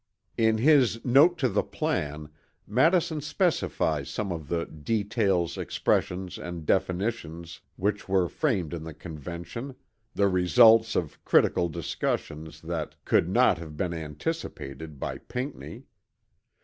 In his "Note to the Plan," Madison specifies some of the "details, expressions and definitions" which were framed in the Convention, the "results of critical discussions" that "could not have been anticipated" by Pinckney.